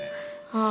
はい。